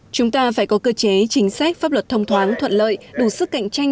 chúng ta phải có cơ chế chính sách pháp luật thông thoáng thuận lợi đủ sức cạnh tranh